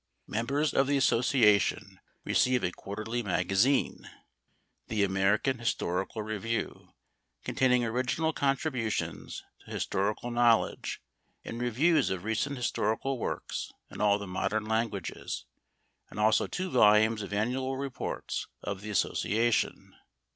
Members of the association receive a quarterly magazine, "The American Historical Review," containing original contributions to historical knowledge, and reviews of recent historical works in all the modern languages; and also two volumes of annual reports of the association.